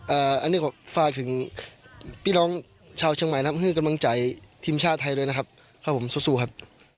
อันนี้ขอฝากถึงพี่น้องชาวเชียงใหม่นะครับให้กำลังใจทีมชาติไทยด้วยนะครับครับผมสู้สู้ครับ